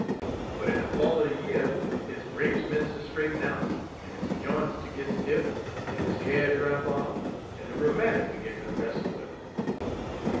But in de fall er de year his grapes 'mence' ter straighten out, en his j'ints ter git stiff, en his ha'r drap off, en de rheumatic begin ter wrestle wid 'im.